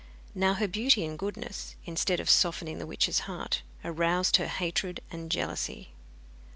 Now her beauty and goodness, instead of softening the witch's heart, aroused her hatred and jealousy.